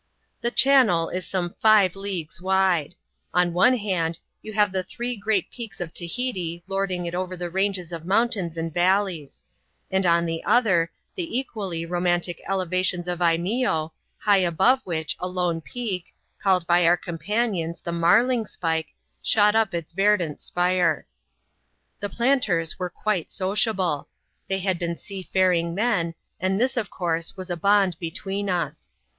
The channel is some fi\Q leagues wide. OIiOTift\v«sA^^^^v liare the three great peaks of Tahiti \ot^i[v^ \\> Q^^'c x^w.^^^'^Jl o 4 200 ADVENTURES IN THE SOUTH SEAS. [chap.u. mountains and vallejs ; and on the other, the equally romantic elevations of Imeeo, high above which a lone peak, called by our companions, *' the Marling spike," shot up its verdant spire. The planters were quite sociable. Thej had been sea faring men, and this, of course, was a bond between us.